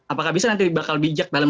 apakah bisa nanti bakal bijak dalam